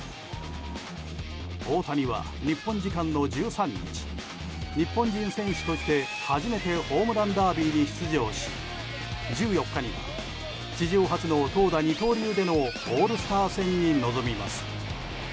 大谷は日本時間の１３日日本人選手として初めてホームランダービーに出場し１４日には史上初の投打二刀流でのオールスター戦に臨みます。